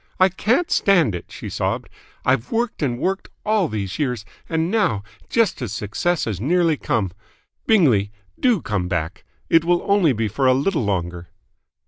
"I can't stand it!" she sobbed. "I've worked and worked all these years, and now, just as success has nearly come Bingley, do come back! It will only be for a little longer."